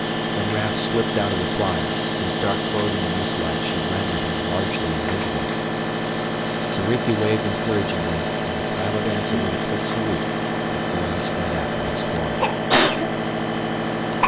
Then Raf slipped out of the flyer. His dark clothing in this light should render him largely invisible. Soriki waved encouragingly and the pilot answered with a quick salute before he sped after his quarry.